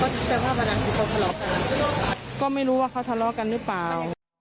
ก็จะเป็นภาพนักศึกษาทะเลาะกันก็ไม่รู้ว่าเขาทะเลาะกันหรือเปล่า